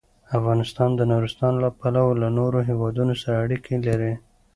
افغانستان د نورستان له پلوه له نورو هېوادونو سره اړیکې لري.